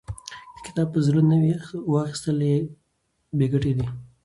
که کتاب په زړه نه وي، واخستل یې بې ګټې دی.